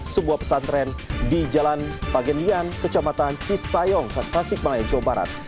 sebuah pesantren di jalan pagenian kecamatan cisayong klasik malaysia barat